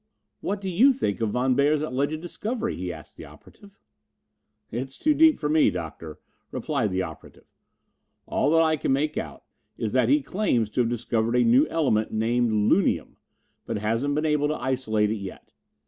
"What do you think of Von Beyer's alleged discovery?" he asked the operative. "It's too deep for me, Doctor," replied the operative. "All that I can make out of it is that he claims to have discovered a new element named 'lunium,' but hasn't been able to isolate it yet.